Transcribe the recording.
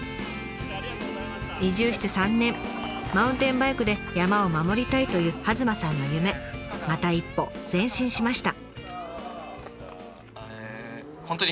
移住して３年マウンテンバイクで山を守りたいという弭間さんの夢また一歩前進しました。